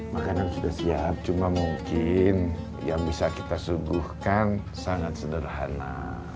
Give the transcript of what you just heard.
makanan sudah siap cuma mungkin yang bisa kita suguhkan sangat sederhana